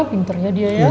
pinternya dia ya